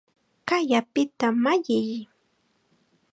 ¡Kay apita malliy!